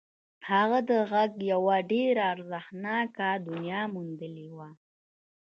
هغه د غږ یوه ډېره ارزښتناکه دنیا موندلې وه